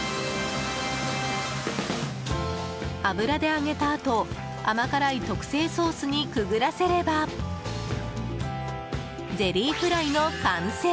油で揚げたあと甘辛い特製ソースにくぐらせればゼリーフライの完成。